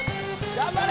頑張れ！